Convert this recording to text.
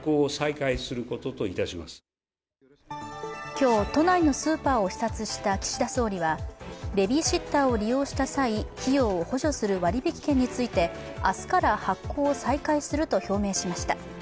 今日、都内のスーパーを視察した岸田総理はベビーシッターを利用した際費用を補助する割引券について明日から発行を再開すると表明しました。